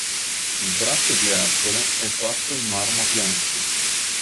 Il braccio di Ercole è fatto in marmo bianco.